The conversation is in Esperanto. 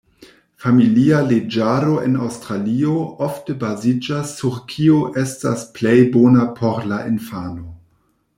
Familia Leĝaro en Aŭstralio ofte baziĝas sur kio estas plej bona por la infano.